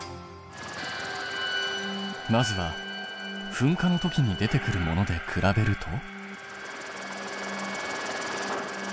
まずは噴火のときに出てくるもので比べると。